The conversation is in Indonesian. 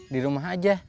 di rumah aja